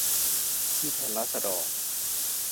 ผู้แทนราษฎร